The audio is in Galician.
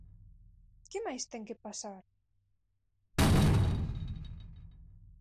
¿Que máis ten que pasar?